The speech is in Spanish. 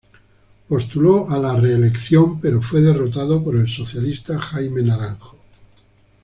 Postuló a la reelección, pero fue derrotado por el socialista Jaime Naranjo.